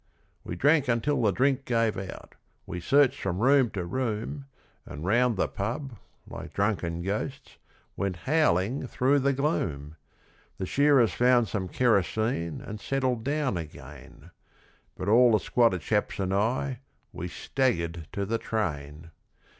'We drank until the drink gave out, we searched from room to room, And round the pub, like drunken ghosts, went howling through the gloom. The shearers found some kerosene and settled down again, But all the squatter chaps and I, we staggered to the train.